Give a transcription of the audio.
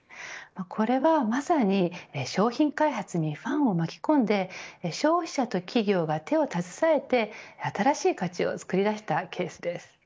これは、まさに商品開発にファンを巻き込んで消費者と企業が手を携えて新しい価値を作り出したケースです。